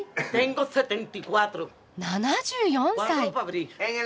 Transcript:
７４歳！